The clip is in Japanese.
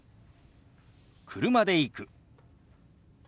「車で行く」。